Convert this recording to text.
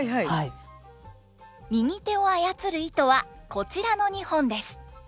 右手をあやつる糸はこちらの２本です。